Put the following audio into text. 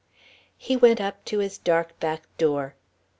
He went up to his dark back door.